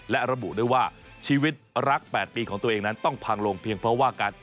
และระบุด้วยว่าชีวิตรัก๘ปีของตัวเองนั้นต้องพังลงเพียงเพราะว่าการ